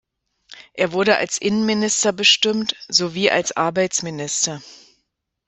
Er wurde als Innenminister bestimmt, so wie als Arbeitsminister.